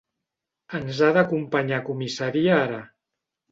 Ens ha d'acompanyar a comissaria ara.